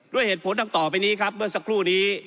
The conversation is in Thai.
ด้วยเหตุผลดังต่อไปนี้ครับเมื่อสักครู่นี้